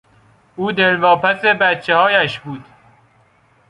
او دلواپس بچههایش بود.